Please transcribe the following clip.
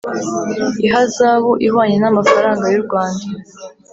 ihazabu ihwanye n amafaranga y u Rwanda